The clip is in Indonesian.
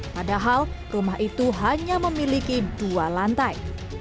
padahal rumah itu hanya memiliki dua lantai